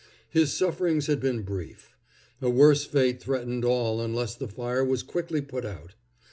His sufferings had been brief. A worse fate threatened all unless the fire was quickly put out.